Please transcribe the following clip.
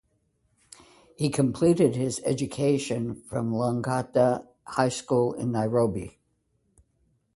He completed his education from Lang’ata High School in Nairobi.